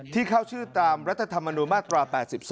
ที่เข้าชื่อตามรัฐธรรมนุนมาตรา๘๒